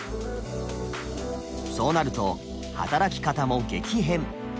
そうなると働き方も激変。